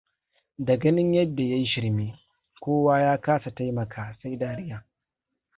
Da ganin yadda ya yi shirme, kowa ya kasa taimaka sai dariya.